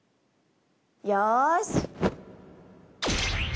よし！